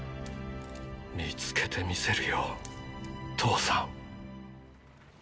見つけてみせるよ父さん。